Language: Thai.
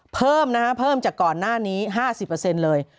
เพิ่มนะฮะเพิ่มจากก่อนหน้านี้๕๐เลย